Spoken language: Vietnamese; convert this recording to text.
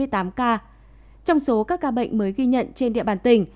trong số các ca bệnh mới ghi nhận trên địa bàn tỉnh